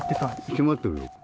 閉まってるよ。